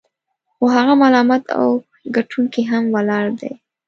خو هغه سلامت او ګټونکی هم ولاړ دی.